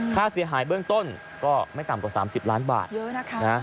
ค่าเสียหายเบื้องต้นก็ไม่ต่ำกว่า๓๐ล้านบาทเยอะนะคะ